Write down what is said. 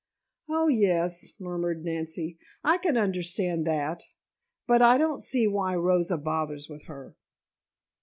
"Oh, yes," murmured Nancy. "I can understand that. But I don't see why Rosa bothers with her."